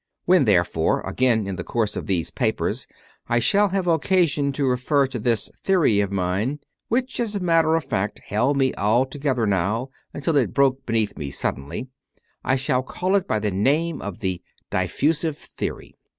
When, therefore, again in the course of these papers I shall have occasion to refer to this theory of mine which, as a matter of fact, held me altogether now until it broke beneath me suddenly I shall call it by the name of the "Diffusive Theory."